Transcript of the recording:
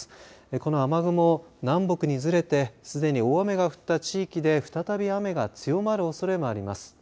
この雨雲、南北にずれてすでに大雨が降った地域で再び雨が強まるおそれもあります。